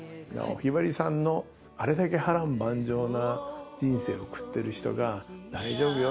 ひばりさんのあれだけ波瀾万丈な人生を送ってる人が大丈夫よ。